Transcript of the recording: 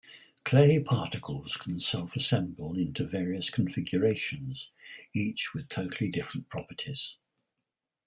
Clay particles can self-assemble into various configurations, each with totally different properties.